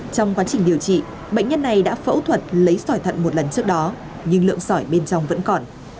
trong quá trình điều trị bệnh nhân này đã phẫu thuật lấy sỏi thận một lần trước đó nhưng lượng sỏi bên trong vẫn còn